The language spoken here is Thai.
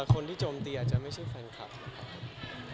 คนที่โจมตีอาจจะไม่ใช่แฟนคลับนะครับ